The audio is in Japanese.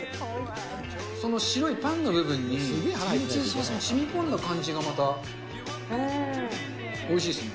その白いパンの部分に、天つゆのソースがしみこんだ感じがまた、おいしいっすね。